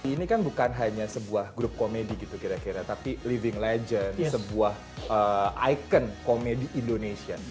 ini kan bukan hanya sebuah grup komedi gitu kira kira tapi living legend sebuah icon komedi indonesia